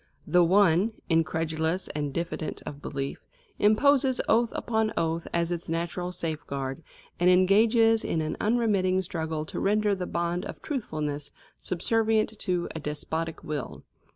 The one, incredulous and diffident of belief, imposes oath upon oath as its natural safeguard, and engages in an unremitting struggle to render the bond of truthfulness subservient to a despotic will.